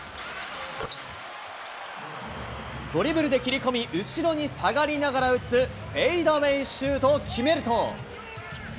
ドリブルで切り込み、後ろに下がりながら打つ、フェイダウェイシュートを決めると。